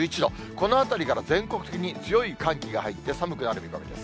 このあたりから全国的に強い寒気が入って、寒くなる見込みです。